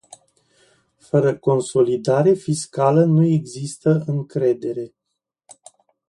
Fără consolidare fiscală nu există încredere.